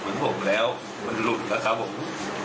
เหมือนผมแล้วมันหลุดนะครับผม